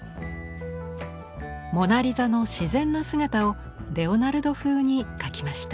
モナ・リザの自然な姿をレオナルド風に描きました。